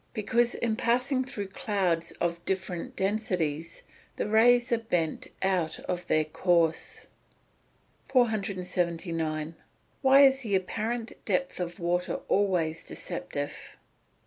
_ Because, in passing through clouds of different densities the rays are bent out of their course. 479. _Why is the apparent depth of water always deceptive?